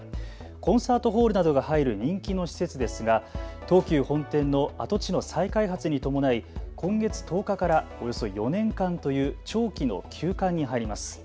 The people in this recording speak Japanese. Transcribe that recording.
コンサートホールなどが入る人気の施設ですが東急本店の跡地の再開発に伴い今月１０日からおよそ４年間という長期の休館に入ります。